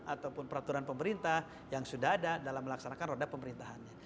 ataupun peraturan pemerintah yang sudah ada dalam melaksanakan roda pemerintahannya